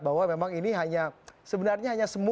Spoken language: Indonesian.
bahwa memang ini hanya sebenarnya hanya